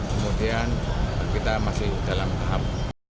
kemudian kita masih dalam tahap